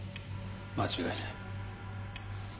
間違いない。